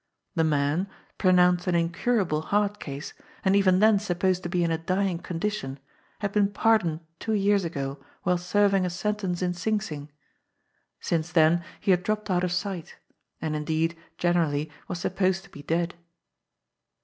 The man, pronounced an incurable heart case, and even then sup posed to be in a dying condition, had been pardoned two' years ago while serving a sentence in Sing Sing. Since then he had dropped out of sight; and indeed, generally, was sup posed to be dead.